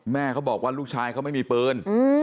แม่เขาบอกว่าลูกชายเขาไม่มีปืน